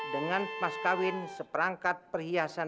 dengan mas kawin seperangkat perhiasan